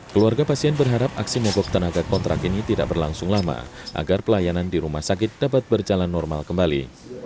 keluarga pasien berharap aksi mogok tenaga kontrak ini tidak berlangsung lama agar pelayanan di rumah sakit dapat berjalan normal kembali